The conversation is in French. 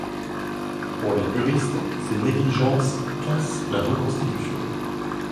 Pour les puristes, ces négligences cassent la reconstitution.